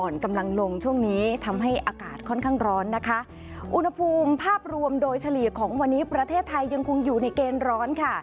กำลังลงช่วงนี้ทำให้อากาศค่อนข้างร้อนนะคะอุณหภูมิภาพรวมโดยเฉลี่ยของวันนี้ประเทศไทยยังคงอยู่ในเกณฑ์ร้อนค่ะ